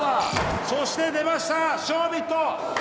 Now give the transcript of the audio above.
そして出ましたショービット！